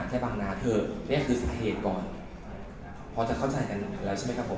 เพราะว่าเหมือนเมื่อเราอาจจะพูดอาจจะไม่ชัดเจน